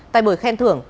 tại buổi khen thưởng